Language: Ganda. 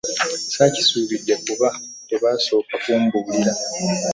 Ssaakisuubidde kuba tebaasooka kumbulirako